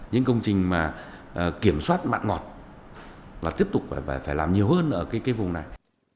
những công trình mà kiểm soát mạng ngọt là tiếp tục phải làm nhiều hơn ở cái vùng này